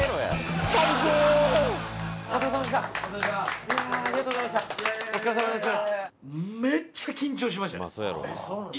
お疲れさまでしたいやありがとうございましたいやいやいやお疲れさまでした